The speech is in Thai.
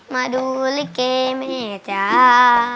มาดูลิเกแม่จ้า